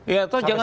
ya atau jangan